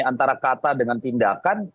antara kata dengan tindakan